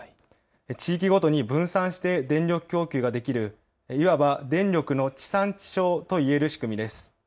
地域ごとに分散して電力供給ができるいわば電力の地産地消といえる仕組みです。